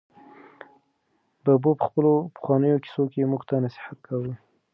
ببو په خپلو پخوانیو کیسو کې موږ ته نصیحت کاوه.